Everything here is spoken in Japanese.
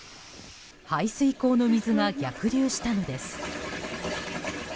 排水口の水が逆流したのです。